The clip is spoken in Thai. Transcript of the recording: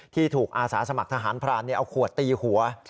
ที่ถูกอาสาสมัครทหารพรานเอาขวดตีหัว